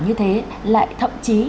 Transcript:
như thế lại thậm chí